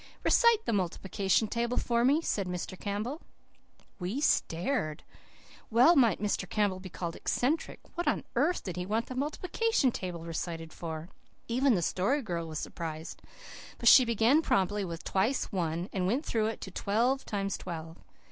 "Recite the multiplication table for me," said Mr. Campbell. We stared. Well might Mr. Campbell be called eccentric. What on earth did he want the multiplication table recited for? Even the Story Girl was surprised. But she began promptly, with twice one and went through it to twelve times twelve.